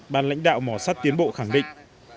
bàn lãnh đạo mọ sắt tiến bộ khẳng định